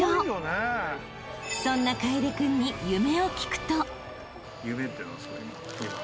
［そんな楓君に夢を聞くと］